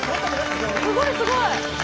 すごいすごい！